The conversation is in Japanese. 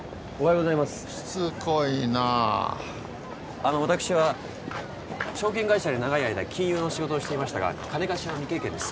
あの私は証券会社で長い間金融の仕事をしていましたが金貸しは未経験です。